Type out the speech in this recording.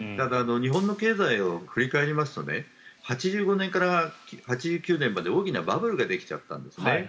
日本の経済を振り返りますと８５年から８９年まで大きなバブルができちゃったんです。